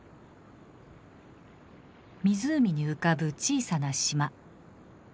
湖に浮かぶ小さな島。